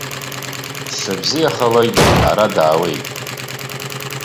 Дшыбзиахалак ара даауеит.